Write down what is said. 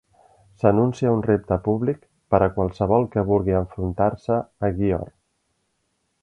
S'anuncia un repte públic per a qualsevol que vulgui enfrontar-se a Gyor.